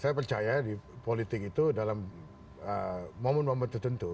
saya percaya di politik itu dalam momen momen tertentu